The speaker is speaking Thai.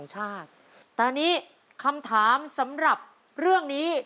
วันที่๒๓มกราคม๒๕๓๕มีความสำคัญของเรายังไง